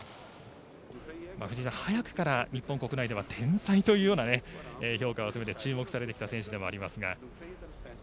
藤井さん早くから日本国内から天才と評価をされて注目されてきた選手でもありますが。